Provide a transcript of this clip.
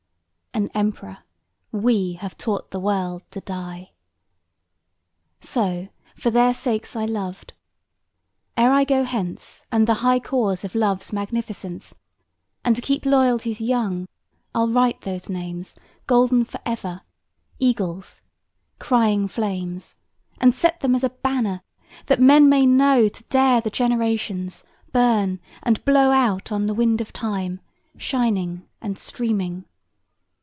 An emperor: we have taught the world to die. So, for their sakes I loved, ere I go hence, And the high cause of Love's magnificence, And to keep loyalties young, I'll write those names Golden for ever, eagles, crying flames, And set them as a banner, that men may know, To dare the generations, burn, and blow Out on the wind of Time, shining and streaming.